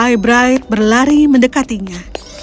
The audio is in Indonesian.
ibride berlari mendekatinya